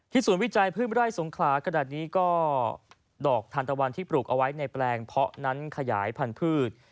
ศูนย์วิจัยพืชไร่สงขลาขนาดนี้ก็ดอกทานตะวันที่ปลูกเอาไว้ในแปลงเพาะนั้นขยายพันธุ์พืช